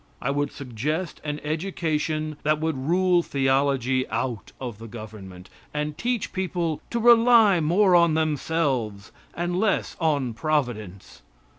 I would suggest an education that would rule theology out of the government, and teach people to rely more on themselves and less on providence.